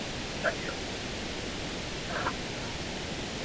প্রায় চার মাসব্যাপী সরকারবিরোধী লাগাতার আন্দোলন শেষে একধরনের অচলাবস্থা তৈরি হয়েছে।